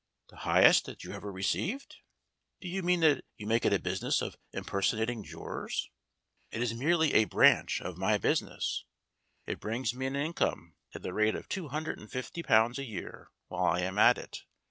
"The highest that you ever received ? Do you mean that you make it a business of impersonating jurors?" "It is merely a branch of my business. It brings me in an income at the rate of two hundred and fifty pounds a year while I am at it.